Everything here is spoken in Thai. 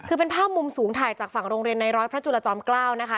คือเป็นภาพมุมสูงถ่ายจากฝั่งโรงเรียนในร้อยพระจุลจอมเกล้านะคะ